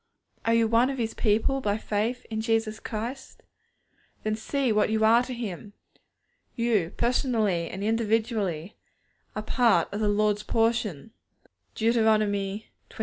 Are you one of His people by faith in Jesus Christ? Then see what you are to Him. You, personally and individually, are part of the Lord's portion (Deut. xxxii.